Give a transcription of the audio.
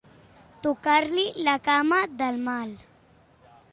Tocar-li la cama del mal.